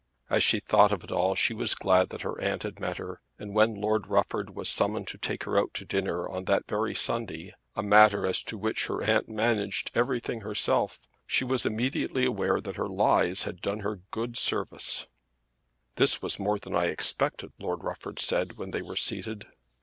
As she thought of it all she was glad that her aunt had met her; and when Lord Rufford was summoned to take her out to dinner on that very Sunday, a matter as to which her aunt managed everything herself, she was immediately aware that her lies had done her good service. "This was more than I expected," Lord Rufford said when they were seated.